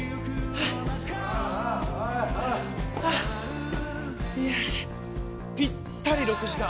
はあいやぴったり６時間。